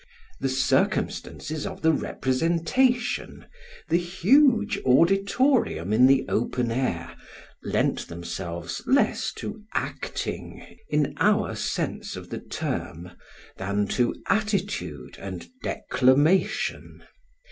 The circumstances of the representation, the huge auditorium in the open air, lent themselves less to "acting" in our sense of the term, than to attitude and declamation.